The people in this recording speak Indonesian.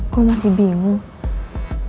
gue masih bingung